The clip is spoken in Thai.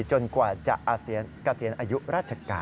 จนกว่าจะเกษียณอายุราชการ